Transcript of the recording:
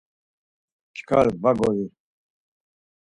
Çkar va gori.